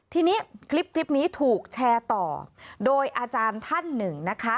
ทีนี้คลิปนี้ถูกแชร์ต่อโดยอาจารย์ท่านหนึ่งนะคะ